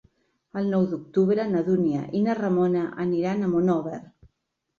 El nou d'octubre na Dúnia i na Ramona aniran a Monòver.